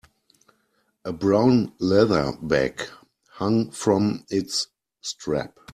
A brown leather bag hung from its strap.